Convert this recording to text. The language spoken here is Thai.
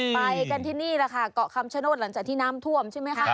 ไปกันที่นี่แหละค่ะเกาะคำชโนธหลังจากที่น้ำท่วมใช่ไหมคะ